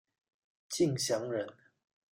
敬翔人。